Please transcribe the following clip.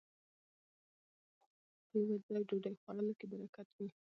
په يوه ځای ډوډۍ خوړلو کې برکت وي